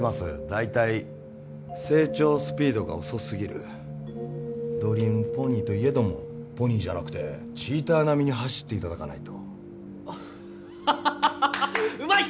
大体成長スピードが遅すぎるドリームポニーといえどもポニーじゃなくてチーター並みに走っていただかないとハハハハうまい